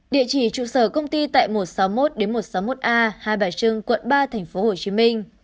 địa chỉ trụ sở công ty tại một trăm sáu mươi một một trăm sáu mươi một a hai bài trưng quận ba tp hcm